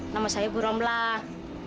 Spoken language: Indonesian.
nama saya bu romlah